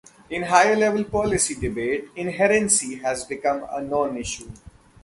In higher level policy debate inherency has become a non issue.